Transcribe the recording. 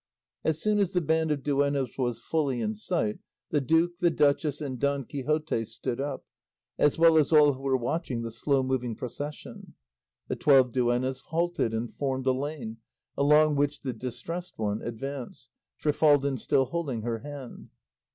As soon as the band of duennas was fully in sight, the duke, the duchess, and Don Quixote stood up, as well as all who were watching the slow moving procession. The twelve duennas halted and formed a lane, along which the Distressed One advanced, Trifaldin still holding her hand.